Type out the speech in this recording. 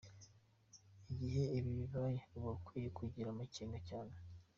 Igihe ibi bibayeho uba ukwiye kugira amakenga cyane.